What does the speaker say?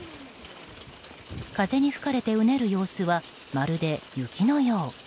風に吹かれてうねる様子はまるで雪のよう。